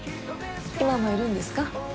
今もいるんですか？